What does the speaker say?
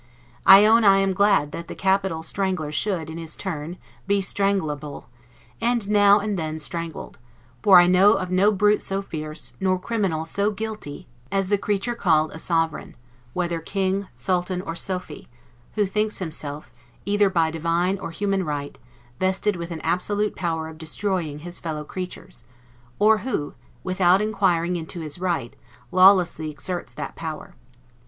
I own I am glad that the capital strangler should, in his turn, be STRANGLE ABLE, and now and then strangled; for I know of no brute so fierce, nor no criminal so guilty, as the creature called a Sovereign, whether King, Sultan, or Sophy, who thinks himself, either by divine or human right, vested with an absolute power of destroying his fellow creatures; or who, without inquiring into his right, lawlessly exerts that power.